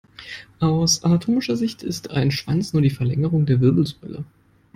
Aus anatomischer Sicht ist ein Schwanz nur die Verlängerung der Wirbelsäule.